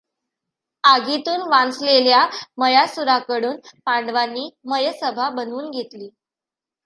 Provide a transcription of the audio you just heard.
आगीतून वांचलेल्या मयासुराकडून पांडवांनी मयसभा बनवून घेतली.